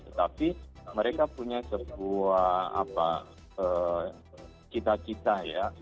tetapi mereka punya sebuah cita cita ya